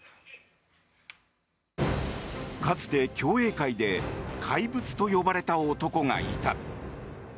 かつて、競泳界で怪物と呼ばれた男がいた。